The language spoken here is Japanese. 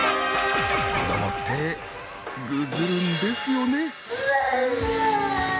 子どもってぐずるんですよね。